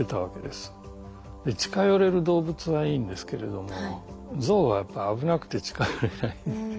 近寄れる動物はいいんですけれどもゾウはやっぱり危なくて近寄れない。